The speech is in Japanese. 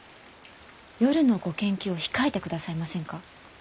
夜のご研究を控えてくださいませんか？